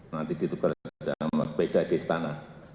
nanti ditukar dengan sepeda di istana